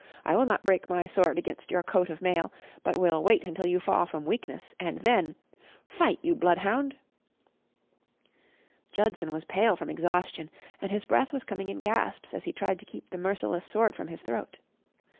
I will not break my sword against your coat of mail, but will wait until you fall from weakness and then.... Fight, you bloodhound!" Judson was pale from exhaustion, and his breath was coming in gasps as he tried to keep the merciless sword from his throat.